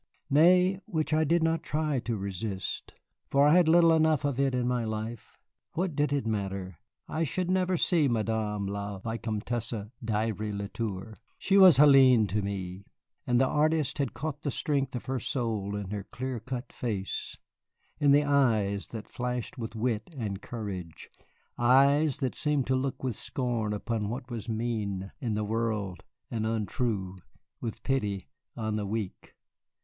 Nay, which I did not try to resist, for I had little enough of it in my life. What did it matter? I should never see Madame la Vicomtesse d'Ivry le Tour. She was Hélène to me; and the artist had caught the strength of her soul in her clear cut face, in the eyes that flashed with wit and courage, eyes that seemed to look with scorn upon what was mean in the world and untrue, with pity on the weak.